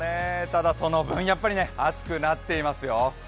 ただ、その分やっぱり暑くなっていますよ。